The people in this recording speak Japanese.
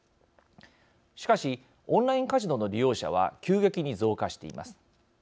しかしオンラインカジノの利用者は急激に増加しています。